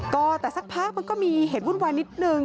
ก็แต่สักพักมันก็มีเหตุวุ่นวายนิดนึง